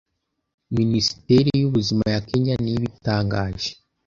Minisiteri y'ubuzima ya Kenya niyo ibitangaje